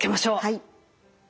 はい。